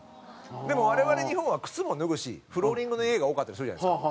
でも我々日本は靴も脱ぐしフローリングの家が多かったりするじゃないですか。